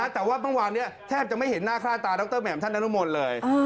แต่ว่าวางนี้แทบจะไม่เห็นหน้าคลาดตาดรแหม่มท่านนักละมนต์เลย